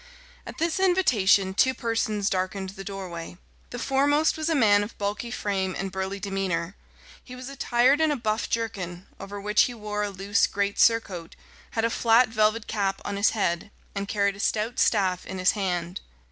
At this invitation two persons darkened the doorway. The foremost was a man of bulky frame and burly demeanour. He was attired in a buff jerkin, over which he wore a loose great surcoat; had a flat velvet cap on his head; and carried a stout staff in his hand.